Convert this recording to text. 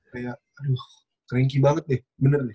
kayak aduh cranky banget deh bener nih